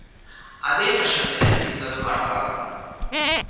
അതെഭക്ഷണത്തിന് നിങ്ങൾക്ക് പണം വാങ്ങാം